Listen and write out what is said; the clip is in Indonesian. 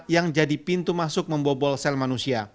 yang jadi pintu masuk membobol sel manusia